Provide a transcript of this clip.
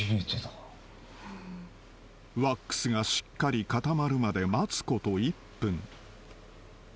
［ワックスがしっかり固まるまで待つこと１分］